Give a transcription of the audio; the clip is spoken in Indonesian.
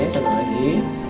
oke satu lagi